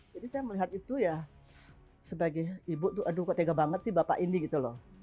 jadi saya melihat itu ya sebagai ibu tuh aduh ketegak banget sih bapak ini gitu loh